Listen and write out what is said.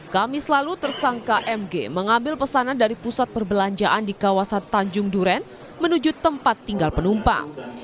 kamis lalu tersangka mg mengambil pesanan dari pusat perbelanjaan di kawasan tanjung duren menuju tempat tinggal penumpang